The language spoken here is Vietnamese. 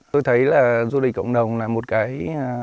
tôi thấy là du lịch cộng đồng là một cái